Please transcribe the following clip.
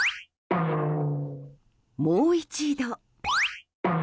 もう一度。